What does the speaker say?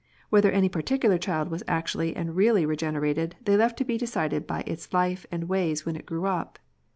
Whether any particular child was actually am} really regenerated they left to be decided by its life and ways when it grew up.